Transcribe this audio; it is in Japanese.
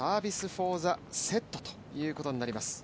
・フォー・ザ・セットということになります。